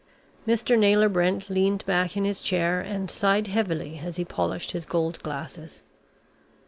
Mr. Naylor Brent leaned back in his chair and sighed heavily, as he polished his gold glasses.